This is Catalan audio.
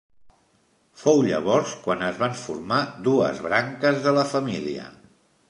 Fou llavors quan es van formar dues branques de la família.